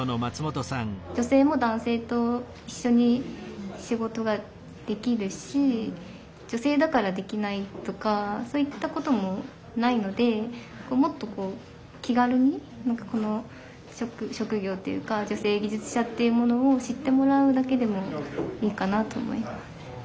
女性も男性と一緒に仕事ができるし女性だからできないとかそういったこともないのでもっとこう気軽にこの職業というか女性技術者っていうものを知ってもらうだけでもいいかなと思います。